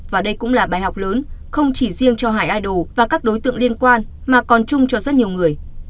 và đây cũng là bài học lớn không chỉ riêng cho hải idol và các đối tượng liên quan mà còn chung cho rất nhiều người